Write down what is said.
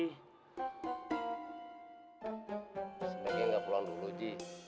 pengen gak pulang dulu ji